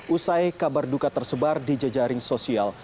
usai kabar duka tersebar di jejaring sosial